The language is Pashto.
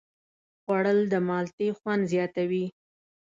خوړل د مالټې خوند زیاتوي